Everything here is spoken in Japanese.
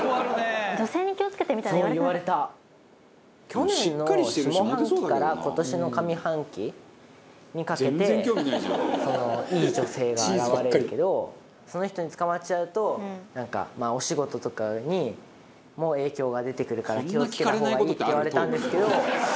去年の下半期から今年の上半期にかけていい女性が現れるけどその人につかまっちゃうとなんかお仕事とかにも影響が出てくるから気を付けた方がいいって言われたんですけど。